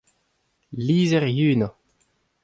Lizher Yuna.